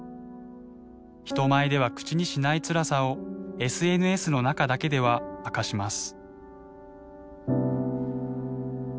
人前では口にしないつらさをＳＮＳの中だけでは明かします。